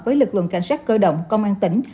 với lực lượng cảnh sát cơ động công an tỉnh